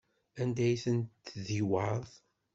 Anda ay ten-tdiwaḍ?